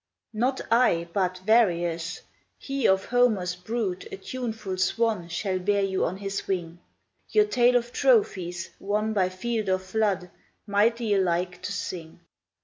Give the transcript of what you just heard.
Not I, but Varius: he, of Homer's brood A tuneful swan, shall bear you on his wing, Your tale of trophies, won by field or flood, Mighty alike to sing.